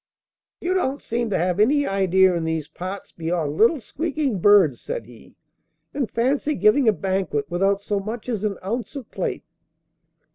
'You don't seem to have any idea in these parts beyond little squeaking birds!' said he. 'And fancy giving a banquet without so much as an ounce of plate!